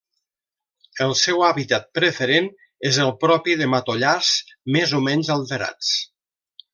El seu hàbitat preferent és el propi de matollars, més o menys alterats.